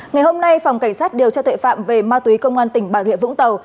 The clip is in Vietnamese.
ngày hôm nay phòng cảnh sát điều tra tuệ phạm về ma túy công an tỉnh bà rịa vũng tàu